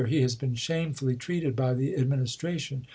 He has been shamefully treated by the Administration.